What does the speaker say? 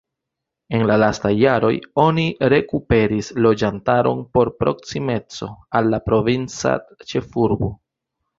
En la lastaj jaroj oni rekuperis loĝantaron pro proksimeco al la provinca ĉefurbo.